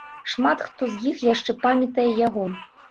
Шмат хто з іх яшчэ памятае яго.